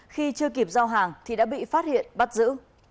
khi chưa kịp giao hàng thì đã bị phát hiện bắt giữ